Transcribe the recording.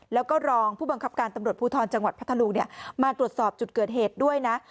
แล้วก็รองผู้บังคับการตำรวจภูทรจังหวัดพัทธลุงมาตรวจสอบจุดเกิดเหตุด้วยนะ